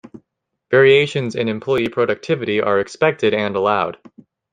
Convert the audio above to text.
Variations in employee productivity are expected and allowed.